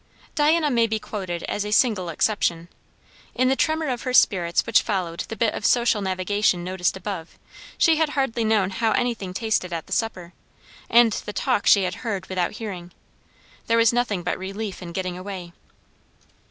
Diana may be quoted as a single exception. In the tremor of her spirits which followed the bit of social navigation noticed above, she had hardly known how anything tasted at the supper; and the talk she had heard without hearing. There was nothing but relief in getting away.